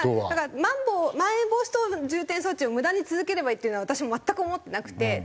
だからまん防まん延防止等重点措置を無駄に続ければいいっていうのは私全く思ってなくて。